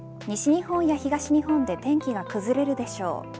西日本や東日本で天気がくずれるでしょう。